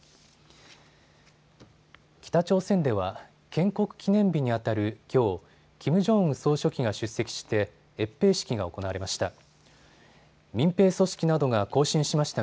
北朝鮮では建国記念日にあたるきょう、キム・ジョンウン総書記が出席して閲兵式が行われました。